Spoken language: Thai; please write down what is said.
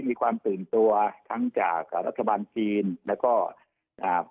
มีความตื่นตัวทั้งจากอ่ารัฐบาลจีนแล้วก็อ่า